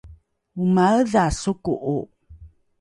omaedha soko’o?